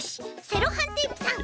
セロハンテープさん。